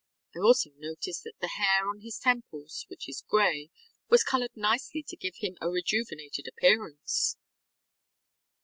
I also noticed that the hair on his temples, which is gray, was colored nicely to give him a rejuvenated appearance.